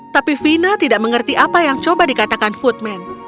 tapi fina tidak mengerti apa yang coba dikatakan footman